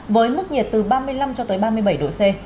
với mức nhiệt từ ba mươi năm ba mươi bảy độ c